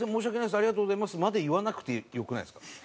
ありがとうございます」まで言わなくてよくないですか？